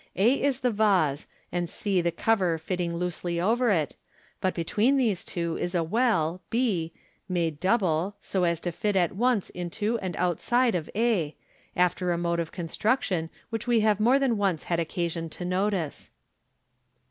a is the vase, and c the cover fitting loose ly over it, but between these two is a well, b, made double, so as to fit at once into and outside of a, after a mode of construction which we have more than once had occasion to notice.